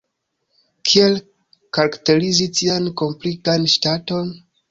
Kiel karakterizi tian komplikan ŝtaton?